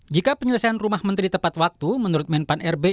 jika penyelesaian rumah menteri tepat waktu menurut menpan rb